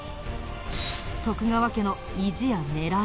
徳川家の意地や狙い